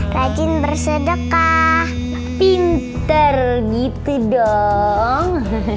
rajin bersedekah pinter gitu dong